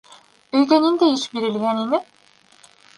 Өйгә ниндәй эш бирелгән ине?